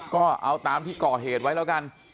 ก็เอาตามที่ก่อเหตุไว้แล้วกัน